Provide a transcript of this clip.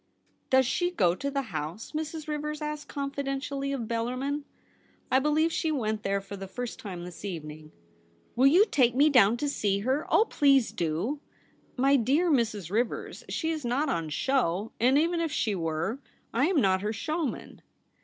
' Does she go to the House ?' Mrs. Rivers asked confidentially of Bellarmin. ' I believe she went there for the first time this eveninof.' ' Will you take me down to see her ? Oh, please do !'' My dear Mrs. Rivers, she is not on show ; and even if she were, I am not her show man.'